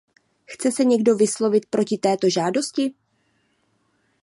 Chce se někdo vyslovit proti této žádosti?